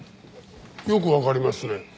よくわかりますね。